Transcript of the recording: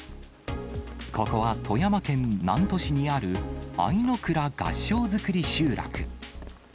ここは富山県南砺市にある相倉合掌造り集落。